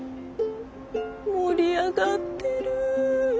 盛り上がってる。